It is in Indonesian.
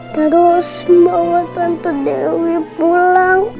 terus membawa tante dewi pulang